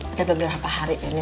udah beberapa hari ini